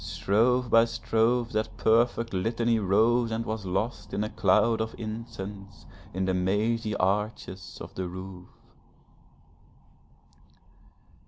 Strophe by strophe that perfect litany rose and was lost in a cloud of incense, in the mazy arches of the roof.